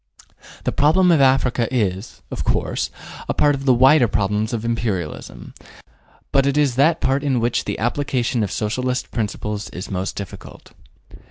The problem of Africa is, of course, a part of the wider problems of Imperialism, but it is that part in which the application of Socialist principles is most difficult.